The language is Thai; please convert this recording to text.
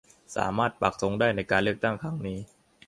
สามารถปักธงได้ในการเลือกตั้งครั้งนี้